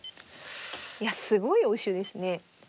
いやすごい応酬ですね。